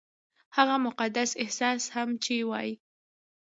هغه مقدس احساس هم چې وايي-